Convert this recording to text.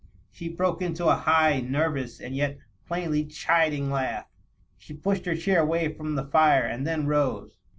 She broke into a high, nervous and yet plainly chiding laugh ; she pushed her chair away from the fire, and then rose.